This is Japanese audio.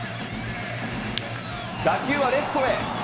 打球はレフトへ。